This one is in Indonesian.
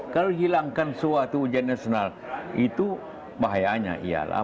kalau hilangkan suatu ujian nasional itu bahayanya iyalah